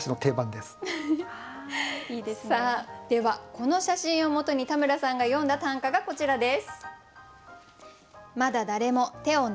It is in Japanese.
この写真をもとに田村さんが詠んだ短歌がこちらです。